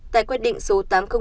tại quy định số tám nghìn sáu